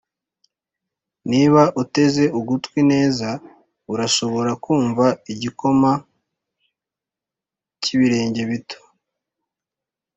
niba ateze ugutwi neza arashobora kumva igikoma cyibirenge bito,